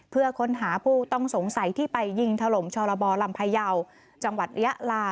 เพื่อค้นหาผู้ต้องสงสัยที่ไปยิงถล่มชรบลำพยาวจังหวัดยะลา